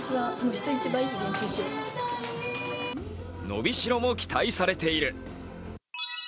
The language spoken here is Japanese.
のびしろも期待されている。